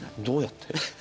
どうやって？